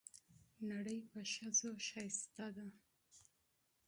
نړۍ په ښځو ښکلې ده.